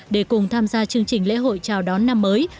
để cùng tham gia chương trình lễ hội chào đón năm mới